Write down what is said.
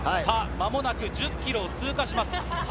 まもなく１０ｋｍを通過します。